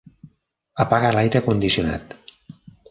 Apaga l'aire condicionat.